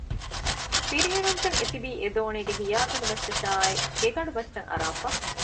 ފިރިހެނުންތައް އެތިބީ އެދޯނީގެ ހިޔާގަނޑު މައްޗަށާއި ގެގަނޑުމައްޗަށް އަރާފަ